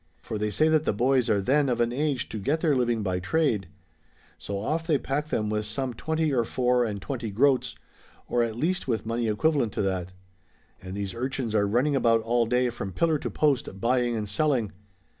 I'\)r they say that the boys are then of an age to get their living by trade ; so off they pack them with some 20 or four and twenty groats, or at least with money equivalent to that. And these urchins are running about all day from pillar to post, buying and selling.